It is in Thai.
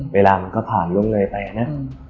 เวลามันก็ผ่านล่วงเลยไปนะ